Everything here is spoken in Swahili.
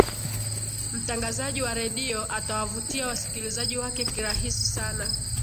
mtangazaji wa redio atawavutia wasikilizaji wake kirahisi sana